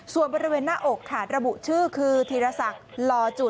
ส่วนบริเวณหน้าอกค่ะระบุชื่อคือธีรศักดิ์ลอจุด